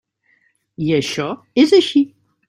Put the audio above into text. I això és així.